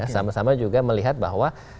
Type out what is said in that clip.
sama sama juga melihat bahwa